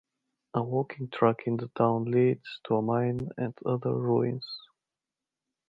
A walking track in the town leads to a mine and other ruins.